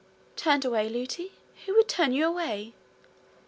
'Turned away, Lootie! Who would turn you away?'